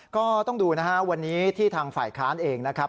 ก็ต้องดูนะฮะวันนี้ที่ทางฝ่ายค้านเองนะครับ